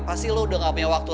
pasti lo udah gak punya waktu